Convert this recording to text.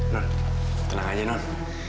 nol tenang aja non